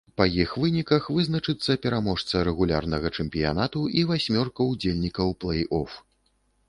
Па іх выніках вызначыцца пераможца рэгулярнага чэмпіянату і васьмёрка ўдзельнікаў плэй-оф.